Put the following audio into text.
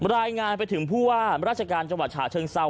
รายงานไปถึงผู้ว่าราชการจังหวัดฉะเชิงเซา